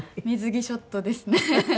水着ショットですね。